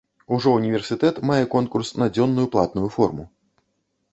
Ужо ўніверсітэт мае конкурс на дзённую платную форму.